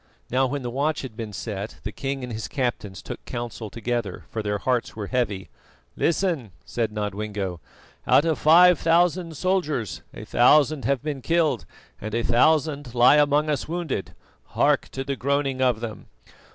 Now when the watch had been set the king and his captains took counsel together, for their hearts were heavy. "Listen," said Nodwengo: "out of five thousand soldiers a thousand have been killed and a thousand lie among us wounded. Hark to the groaning of them!